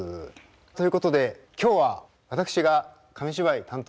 ということで今日は私が紙芝居担当です。